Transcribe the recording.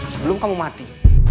sebelum kamu mati